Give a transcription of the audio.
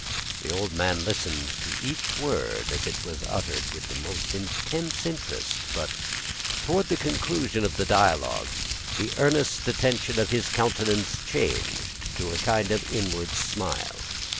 The old man listened to each word as it was uttered, with the most intense interest; but, towards the conclusion of the dialogue, the earnest attention of his countenance changed to a kind of inward smile.